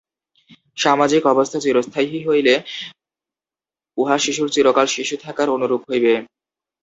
সামাজিক অবস্থা চিরস্থায়ী হইলে উহা শিশুর চিরকাল শিশু থাকার অনুরূপ হইবে।